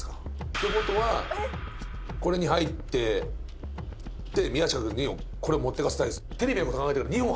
って事はこれに入ってて宮近君にこれを持っていかせたいんです。